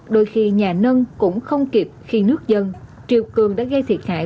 đôi khi nhà nâng cũng không kịp khi nước dân triều cường đã gây thiệt hại